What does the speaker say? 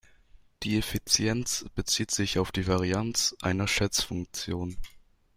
Die Effizienz bezieht sich auf die Varianz einer Schätzfunktion.